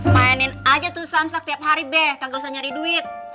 mayanin aja tuh samsak tiap hari ga usah nyari duit